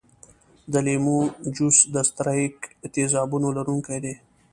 د لیمو جوس د ستریک تیزابونو لرونکی دی.